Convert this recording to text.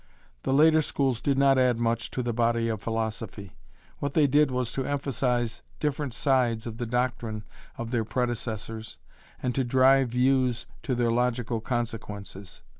The later schools did not add much to the body of philosophy. What they did was to emphasize different sides of the doctrine of their predecessors and to drive views to their logical consequences.